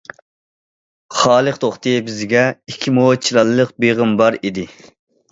خالىق توختى بىزگە: ئىككى مو چىلانلىق بېغىم بار ئىدى.